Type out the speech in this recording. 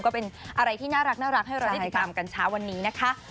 ก็เป็นอะไรที่น่ารักให้เราได้ติดตามกันเช้าวันนี้นะคะ